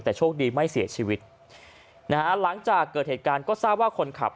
แต่โชคดีไม่เสียชีวิตนะฮะหลังจากเกิดเหตุการณ์ก็ทราบว่าคนขับ